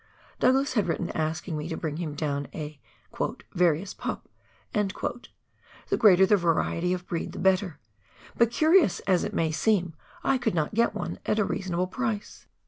Douglas had written asking me to bring him down a " various pup "— the greater the variety of breed the better — but curious as it may seem, I could not get one at a reasonable price.